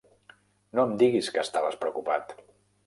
No em diguis que estaves preocupat!